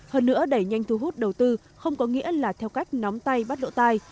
hơn nữa đẩy nhanh thu hút đầu tư không có nghĩa là theo cách nắm tay bắt lỗ tai